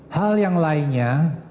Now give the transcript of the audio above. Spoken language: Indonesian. hal yang lainnya